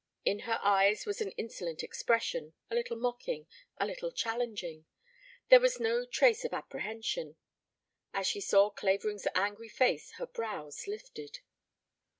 In her eyes was an insolent expression, a little mocking, a little challenging. There was no trace of apprehension. As she saw Clavering's angry face her brows lifted.